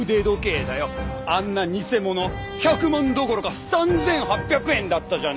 あんな偽物１００万どころか３８００円だったじゃねえか！